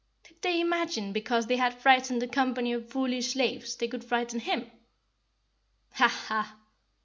Did they imagine because they had frightened a company of foolish slaves they could frighten him? "Ha, ha!"